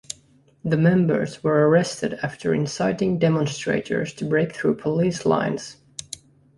The members were arrested after inciting demonstrators to break through police lines.